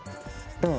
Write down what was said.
どう？